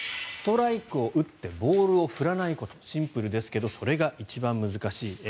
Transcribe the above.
ストライクを打ってボールを振らないことシンプルですけどそれが一番難しい。